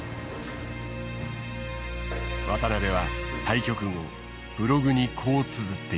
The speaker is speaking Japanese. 渡辺は対局後ブログにこうつづっている。